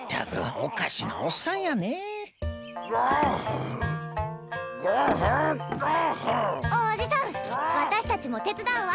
おじさん私たちも手伝うわ！